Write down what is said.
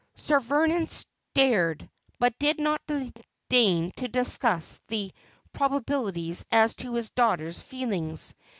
Sir Vernon stared, but did not deign to discuss the proba bilities as to his daughter's feelings.